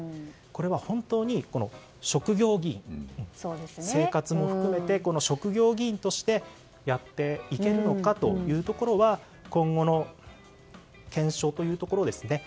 これは、本当に生活も含めて職業議員としてやっていけるのかというところは今後の検証というところですね。